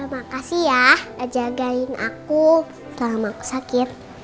makasih ya jagain aku selama sakit